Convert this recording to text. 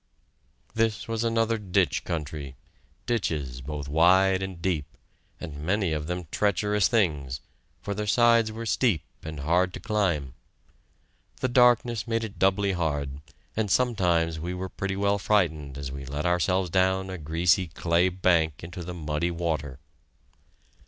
This was another ditch country ditches both wide and deep, and many of them treacherous things, for their sides were steep and hard to climb. The darkness made it doubly hard, and sometimes we were pretty well frightened as we let ourselves down a greasy clay bank into the muddy water.